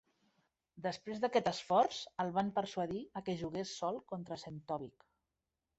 Després d'aquest esforç, el van persuadir a que jugués sol contra Czentovic.